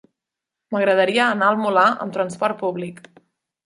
M'agradaria anar al Molar amb trasport públic.